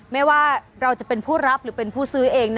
ไม่ว่าเราจะเป็นผู้รับหรือเป็นผู้ซื้อเอง